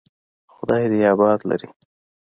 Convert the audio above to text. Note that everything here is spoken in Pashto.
خداى دې يې اباد لري.